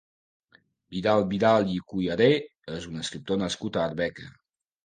Vidal Vidal i Culleré és un escriptor nascut a Arbeca.